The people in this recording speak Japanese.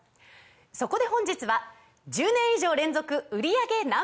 そこで本日は１０年以上連続売り上げＮｏ．１